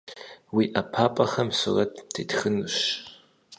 Уи ӏэпапӏэхэм сурэт тетхынущ.